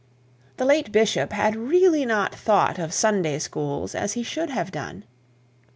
The late bishop had really not thought of Sunday schools as he should have done.